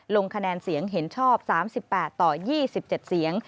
ลงคะแนนเสียงเห็นชอบ๓๘ต่อ๒๗เสียง